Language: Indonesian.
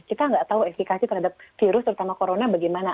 kita nggak tahu efekasi terhadap virus terutama corona bagaimana